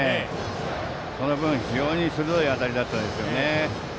その分、非常に鋭い当たりでしたよね。